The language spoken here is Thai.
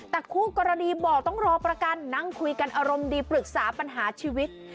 แต่คู่กรณีบอกต้องรอประกันนั่งคุยกันอารมณ์ดีปรึกษาปัญหาชีวิต